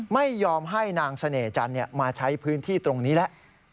ไม่ยอมให้นางเสน่หจันทร์มาใช้พื้นที่ตรงนี้แล้ว